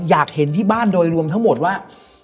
อยากเห็นที่บ้านโดยรวมทั้งหมดว่า